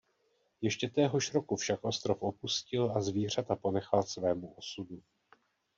Ještě téhož roku však ostrov opustil a zvířata ponechal svému osudu.